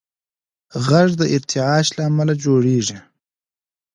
غږ د ارتعاش له امله جوړېږي.